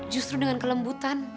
justru dengan kelembutan